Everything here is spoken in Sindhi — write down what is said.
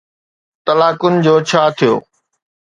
طلاقن جو ڇا ٿيو؟